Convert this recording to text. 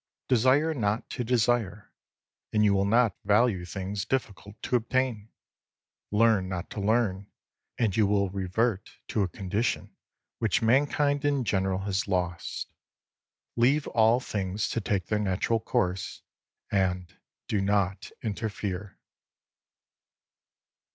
Desire not to desire, and you will not value things difficult to obtain. Learn not to learn, and you will revert to a condition which mankind in general has lost. Leave all things to take their natural course, and do not interfere.